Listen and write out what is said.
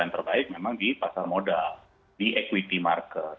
yang terbaik memang di pasar modal di equity market